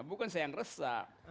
bukan saya yang resah